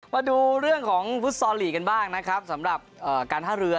มาดูเรื่องของฟุตซอลลีกกันบ้างนะครับสำหรับการท่าเรือ